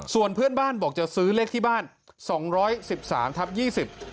ส่วนเพื่อนบ้านบอกจะซื้อเลขที่บ้าน๒๑๓ทับ๒๐